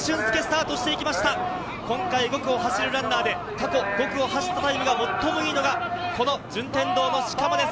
今回５区を走るランナーで過去５区を走ったのが最も良いのが順天堂の四釜です。